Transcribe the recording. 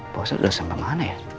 pausat udah sampai mana ya